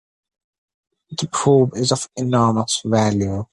The probe is of enormous value.